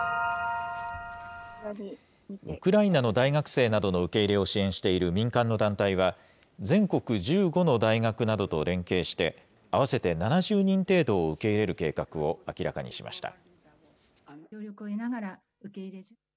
ウクライナの大学生などの受け入れを支援している民間の団体は、全国１５の大学などと連携して、合わせて７０人程度を受け入れる計画を明らかにしました。